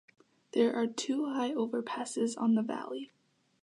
There are two high overpasses on the valley.